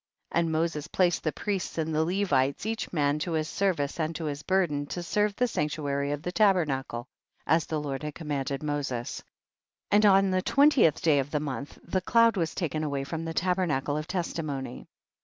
24. And Moses placed the priests and the Levites each man to his ser vice and to his burden to serve the sanctuary of the tabernacle, as the Lord had commanded Moses. 25. And on the twentieth day of the month, the cloud was taken away from the tabernacle of testimony.